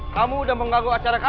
kamu sudah menganggap